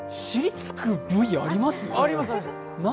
尻がつく部位あります？